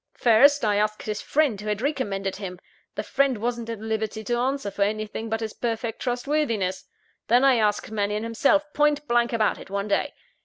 First, I asked his friend who had recommended him the friend wasn't at liberty to answer for anything but his perfect trustworthiness. Then I asked Mannion himself point blank about it, one day.